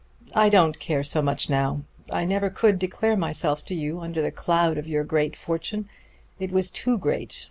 "I don't care so much now. I never could declare myself to you under the cloud of your great fortune. It was too great.